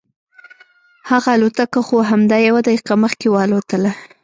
هغه الوتکه خو همدا یوه دقیقه مخکې والوتله.